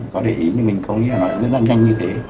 có để ý nhưng mình không nghĩ là nó diễn ra nhanh như thế